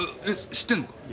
知ってんのか？